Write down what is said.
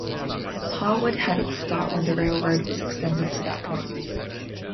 Harwood had its start when the railroad was extended to that point.